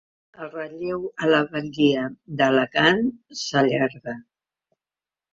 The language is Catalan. El relleu a la batllia d’Alacant s’allarga.